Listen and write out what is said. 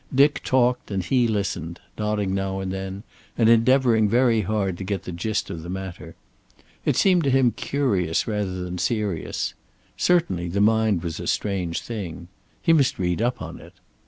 Dick talked and he listened, nodding now and then, and endeavoring very hard to get the gist of the matter. It seemed to him curious rather than serious. Certainly the mind was a strange thing. He must read up on it.